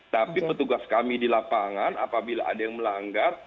tapi petugas kami di lapangan apabila ada yang melanggar